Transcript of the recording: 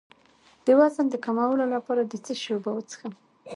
د وزن د کمولو لپاره د څه شي اوبه وڅښم؟